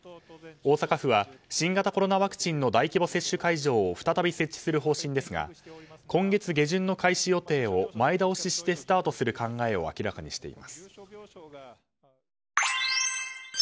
大阪府は新型コロナワクチンの大規模接種会場を再び設置する方針ですが今月下旬の開始予定を前倒ししてスタートする考えを明らかにしています。